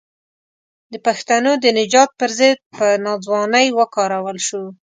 د پښتنو د نجات پر ضد په ناځوانۍ وکارول شو.